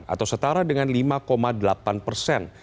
atau setara dengan lima delapan persen